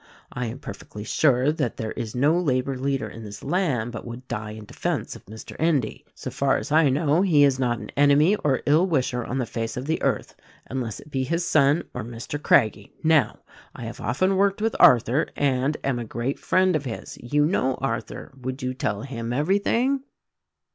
I am perfectly sure that there is no labor leader in this land but what would die in defense of Mr. Endy. So far as I know he has not an enemy or ill wisher on the face of the earth unless it be his son or Mr. Craggie. Now, I have often worked with Arthur and am a great friend of his. You know Arthur. Would you tell him everything?"